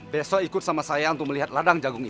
besok ikut sama saya untuk melihat allah yang berhati suci